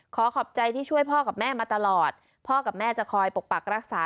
ขอขอบใจที่ช่วยพ่อกับแม่มาตลอดพ่อกับแม่จะคอยปกปักรักษา